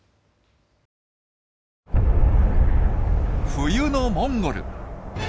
冬のモンゴル。